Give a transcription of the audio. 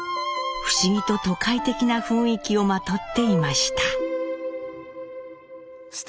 不思議と都会的な雰囲気をまとっていました。